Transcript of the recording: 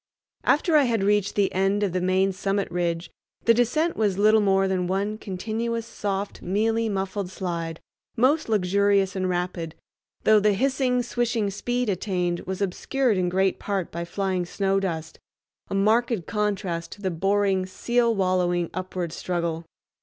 After I had reached the end of the main summit ridge the descent was but little more than one continuous soft, mealy, muffled slide, most luxurious and rapid, though the hissing, swishing speed attained was obscured in great part by flying snow dust—a marked contrast to the boring seal wallowing upward struggle.